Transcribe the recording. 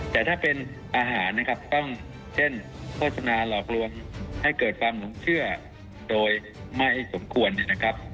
แต่ถ้าเป็นอาหารนะครับต้องเช่นโฆษณาหลอกลวงให้เกิดความหลงเชื่อโดยไม่สมควรเนี่ยนะครับ